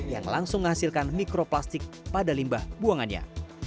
yang langsung menghasilkan mikroplastik pada limbah buangannya